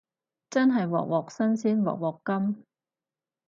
真係鑊鑊新鮮鑊鑊甘